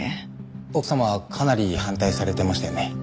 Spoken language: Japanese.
奥様はかなり反対されてましたよね。